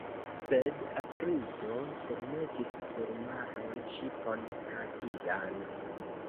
Sed Atrido surmetis sur maron ŝipon rapidan.